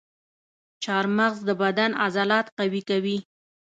چارمغز د بدن عضلات قوي کوي.